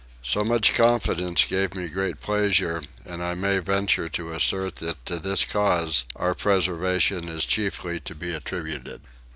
So much confidence gave me great pleasure and I may venture to assert that to this cause our preservation is chiefly to be attributed.